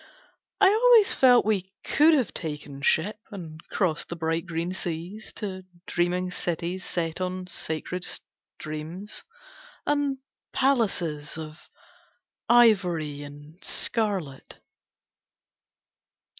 I always felt we could have taken ship And crossed the bright green seas To dreaming cities set on sacred streams And palaces Of ivory and scarlet.